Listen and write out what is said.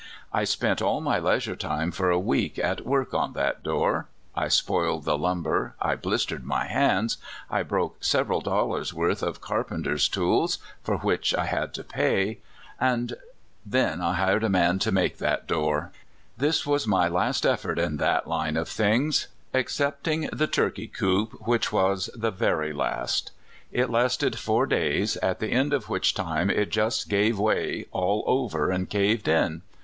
I spent all my leisure time for a week at work on that door. I spoiled the lumber, I blistered my hands, I broke several dol lars' worth of carpenter's tools, for which I had to pay, and — then I hired a man to make that door! This was my last effort in that line of things, ex *^ Soiitctiines he xvould accompany me in a pastoral visit. (129) DICK. 131 cepting the turkey coop, which was the very last. It lasted four days, at the end of which time it just gave way all over, and caved in.